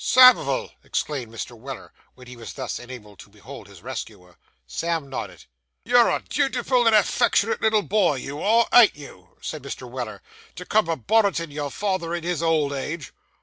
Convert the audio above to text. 'Samivel!' exclaimed Mr. Weller, when he was thus enabled to behold his rescuer. Sam nodded. 'You're a dutiful and affectionate little boy, you are, ain't you,' said Mr. Weller, 'to come a bonnetin' your father in his old age?